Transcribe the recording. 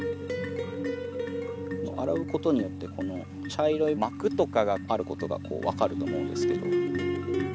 洗うことによってこの茶色い膜とかがあることがこう分かると思うんですけど。